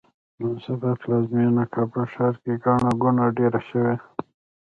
نن سبا پلازمېینه کابل ښار کې ګڼه ګوڼه ډېره شوې ده.